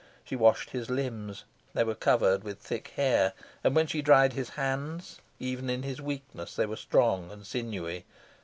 She washed his limbs; they were covered with thick hair; and when she dried his hands, even in his weakness they were strong and sinewy.